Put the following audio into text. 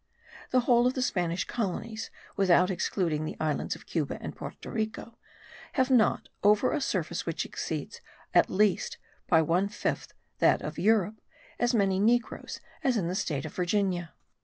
The whole of the Spanish colonies, without excluding the islands of Cuba and Porto Rico, have not, over a surface which exceeds at least by one fifth that of Europe, as many negroes as the single state of Virginia.